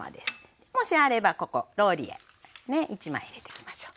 もしあればここローリエね１枚入れていきましょう。